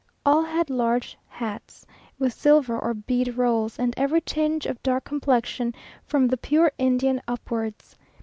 All had large hats, with silver or bead rolls, and every tinge of dark complexion, from the pure Indian, upwards.